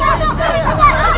pergi pergi pergi